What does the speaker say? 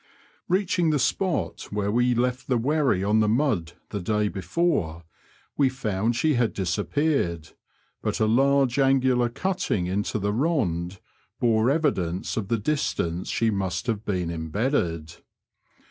Beaching the spot where we left the wherry on the mud the day before, we found she had disappeared, but a large angular cutting into the rond bore evidence of the distance she must have been imbedded.